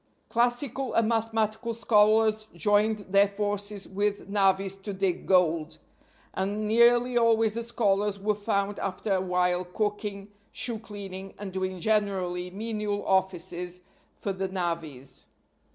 Classical and mathematical scholars joined their forces with navvies to dig gold; and nearly always the scholars were found after a while cooking, shoe cleaning, and doing generally menial offices for the navvies.